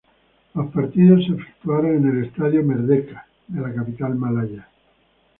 Los partidos se efectuaron en el Estadio Merdeka de la capital malaya.